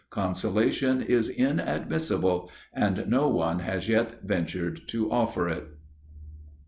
Consolation is inadmissible, and no one has yet ventured to offer it.